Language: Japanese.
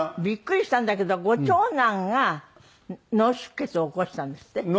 びっくりしたんだけどご長男が脳出血を起こしたんですって？